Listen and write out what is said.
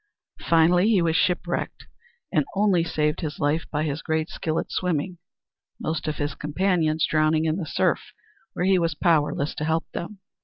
Finally he was shipwrecked and only saved his life by his great skill at swimming, most of his companions drowning in the surf where he was powerless to help them.